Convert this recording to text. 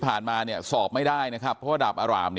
เพราะไม่เคยถามลูกสาวนะว่าไปทำธุรกิจแบบไหนอะไรยังไง